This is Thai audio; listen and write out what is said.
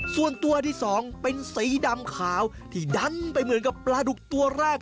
ส่วนตัวที่สองเป็นสีดำขาวที่ดันไปเหมือนกับปลาดุกตัวแรก